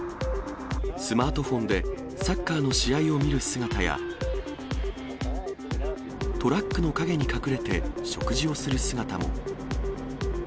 スマートフォンでサッカーの試合を見る姿や、トラックの陰に隠れて食事をする姿も。